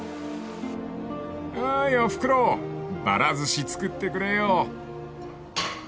［おーいおふくろばら寿司作ってくれよ］